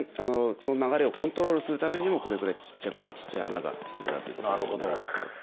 その流れをコントロールするためにもこれくらいちっちゃくてちっちゃい穴が必要だということになります。